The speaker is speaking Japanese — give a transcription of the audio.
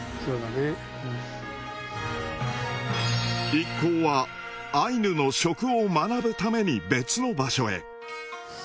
一行はアイヌの食を学ぶために別の場所へ。